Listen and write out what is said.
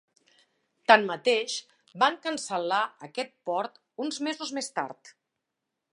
Tanmateix, van cancel·lar aquest port uns mesos més tard.